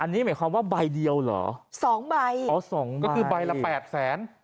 อันนี้หมายความว่าใบเดียวเหรอ๒ใบก็คือใบละ๘แสน